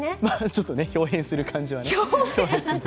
ちょっとね、ひょう変する感じはね。